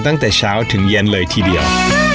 ตั้งแต่เช้าถึงเย็นเลยทีเดียว